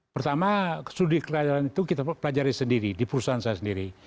pertama studi kelayaran itu kita pelajari sendiri di perusahaan saya sendiri